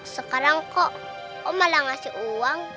sekarang kok om malah ngasih uang